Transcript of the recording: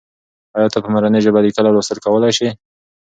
آیا ته په مورنۍ ژبه لیکل او لوستل کولای سې؟